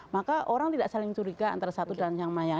maka orang tidak saling curiga antara satu dan yang maya